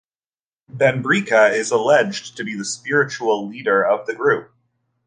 Benbrika is alleged to be the spiritual leader of the group.